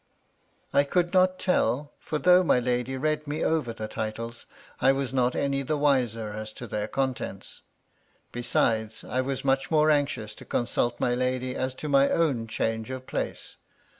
I could not tell, for though my lady read me over the titles, I was not any the wiser as to their contents. Besides, I was much more anxious to consult my lady as to my own change of place.